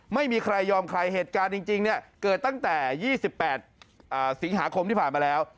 ไม่มีใครยอมใครเหตุการณ์จริงเนี่ยเกิดตั้งแต่๒๘สิงหาคมที่ผ่านมาแล้ว